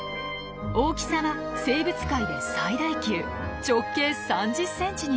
大きさは生物界で最大級直径３０ｃｍにも。